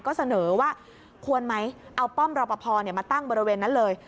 ก็เสนอว่าควรไหมเอาป้อมรอปภมาตั้งบริเวณนั้นเลย